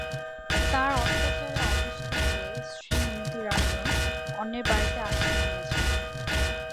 তাঁর অত্যাচারে অতিষ্ঠ হয়ে স্ত্রী মিনতি রানীও অন্যের বাড়িতে আশ্রয় নিয়েছেন।